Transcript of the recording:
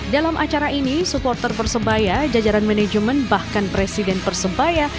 dalam acara ini supporter persebaya jajaran manajemen bahkan presiden persebaya